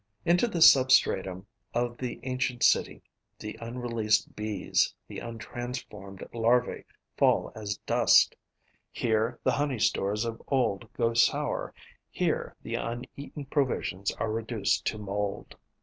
Into this sub stratum of the ancient city the unreleased Bees, the untransformed larvae fall as dust; here the honey stores of old go sour, here the uneaten provisions are reduced to mould.